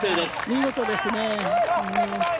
見事ですね。